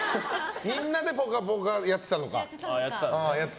みんなでぽかぽかやってたのか。